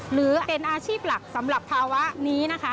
หรือเป็นอาชีพหลักสำหรับภาวะนี้นะคะ